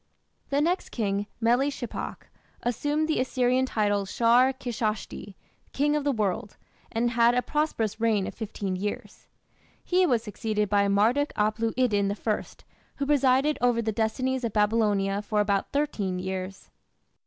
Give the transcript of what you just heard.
The next king, Meli shipak, assumed the Assyrian title "Shar Kishshati", "king of the world", and had a prosperous reign of fifteen years. He was succeeded by Marduk aplu iddin I, who presided over the destinies of Babylonia for about thirteen years.